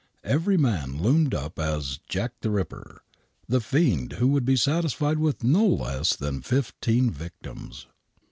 Every man loomed up as " Jack, the Ripper," the fiend who would be satisfied with no less than fifteen victims.